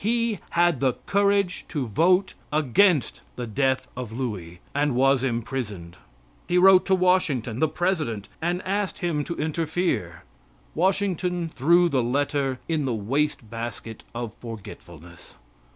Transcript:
He had the courage to vote against the death of Louis, and was imprisoned. He wrote to Washington, the president, and asked him to interfere. Washington threw the letter in the wastebasket of forgetfulness.